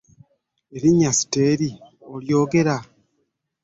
Erinnya lyange ery'ekisomi ssitera kulyogera.